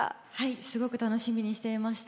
すごく楽しみにしていました。